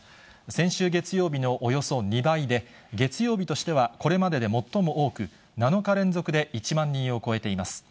先週月曜日のおよそ２倍で、月曜日としてはこれまでで最も多く、７日連続で１万人を超えています。